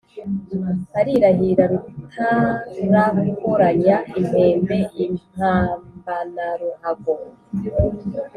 alirahira Rutarakoranya impembe impambanaruhago,